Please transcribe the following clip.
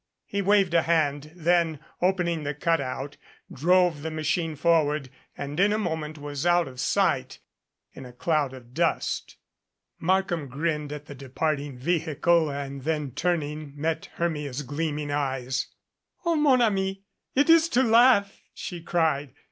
He waved a hand, then, opening the cutout, drove the machine forward and in a moment was out of sight in a cloud of dust. Markham grinned at the departing vehicle and then, turning, met Hermia's gleaming eyes. "O mon ami, it is to laugh!" she cried.